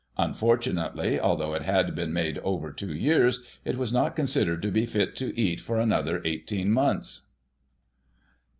Unfortunately, although it had been made over two years, it was not considered to be fit to eat for another eighteen months.